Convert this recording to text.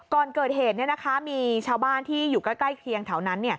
ก่อนเกิดเหตุมีชาวบ้านที่อยู่ใกล้เคียงแถวนั้น